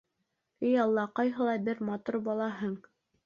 И алла, ҡайһылай бер матур балаһың!